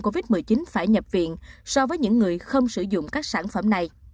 covid một mươi chín phải nhập viện so với những người không sử dụng các sản phẩm này